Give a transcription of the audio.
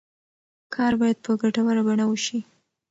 کار باید په ګټوره بڼه وشي.